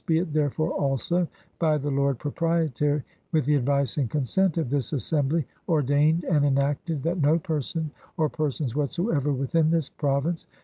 be it therefore also by the Lord Proprietary with the advice and consent of this As sembly, ordeyned and enacted ... that no person or persons whatsoever within this Province